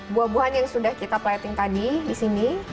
buah buahan yang sudah kita plating tadi disini